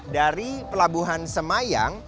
dari pelabuhan semayang